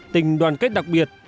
tình đoàn kết đặc biệt